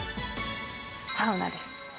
サウナです。